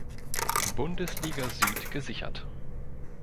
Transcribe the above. Bundesliga Süd gesichert.